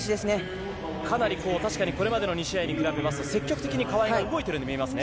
かなり確かに、これまでの２試合に比べますと、積極的に川井が動いてるように見えますね。